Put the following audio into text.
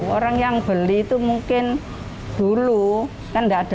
orang yang beli itu mungkin dulu kan tidak ada